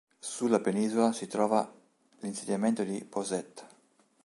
Sulla penisola si trova l'insediamento di Pos'et.